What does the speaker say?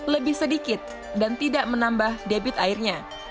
lebih sedikit dan tidak menambah debit airnya